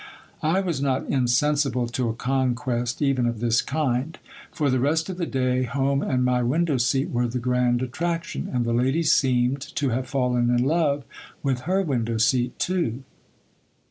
I was not insensible to a conquest even of this kind. For the rest of the day home and my window seat were the grand attraction ; and the lady seemed to have fallen in love with her window seat too.